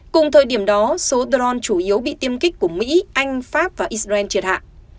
cùng thời điểm đó số dron chủ yếu bị tiêm kích của mỹ anh pháp và israel triệt hạ